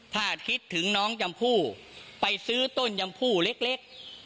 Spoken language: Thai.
ถ้าคิดถึงน้องจมผู้ไปซื้อต้นจมผู้เล็ก